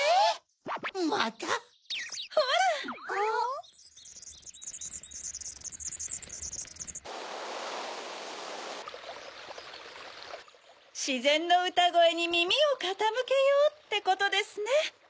サワサワチョロチョロしぜんのうたごえにみみをかたむけようってことですね。